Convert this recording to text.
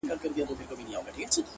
په سینګار په پیرایه دې نه پوهېږم